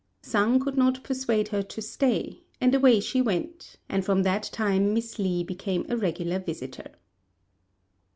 Sang could not persuade her to stay, and away she went; and from that time Miss Li became a regular visitor.